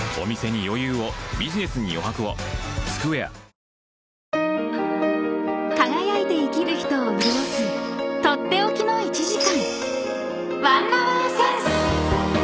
糖質ゼロ［輝いて生きる人を潤す取って置きの１時間］